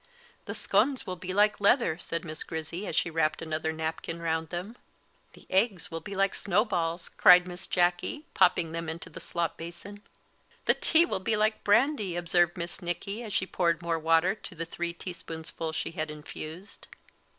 "The scones will be like leather," said Miss Grizzy, as she wrapped another napkin round them. "The eggs will be like snowballs," cried Miss Jacky, popping them into the slop basin. "The tea will be like brandy," observed Miss Nicky, as she poured more water to the three teaspoonfuls she had infused.